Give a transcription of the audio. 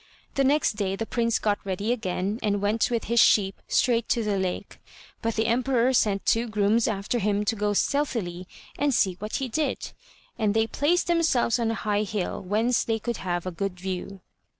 The next day the prince got ready again, and went with his sheep straight to the lake. But the emperor sent two grooms after him to go stealthily and see what he did, and they placed themselves on a high hill whence they could have a good view.